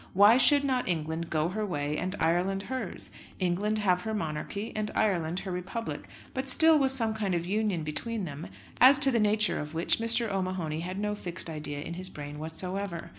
Why should not England go her way and Ireland hers, England have her monarchy and Ireland her republic, but still with some kind of union between them, as to the nature of which Mr. O'Mahony had no fixed idea in his brain whatsoever.